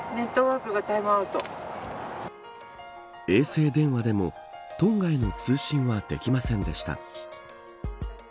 衛星電話でもトンガへの通信はできませんでした。